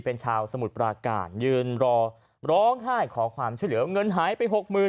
เป็นชาวสมุทรปราการยืนรอร้องไห้ขอความช่วยเหลือเงินหายไปหกหมื่น